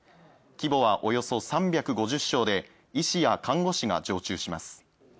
規模はおよそ３５０床で医師や看護師が常駐します。